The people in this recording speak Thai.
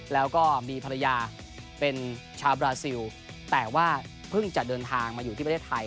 แล้วก็มีภรรยาเป็นชาวบราซิลแต่ว่าเพิ่งจะเดินทางมาอยู่ที่ประเทศไทย